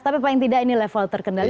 tapi paling tidak ini level terkendali